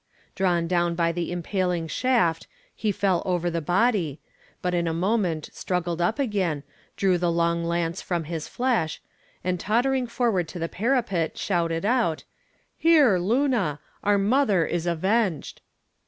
Drawn down by the impaling shaft, he fell over the body, but in a moment struggled up again, drew the long lance from his flesh, and tottering forward to the parapet, shouted out "Here, Luna! Our mother is avenged!"